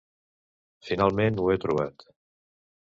Finalment, ho he trobat...